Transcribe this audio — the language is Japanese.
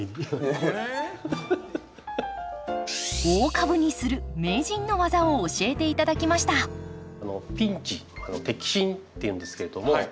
大株にする名人の技を教えて頂きましたピンチ摘心っていうんですけれども。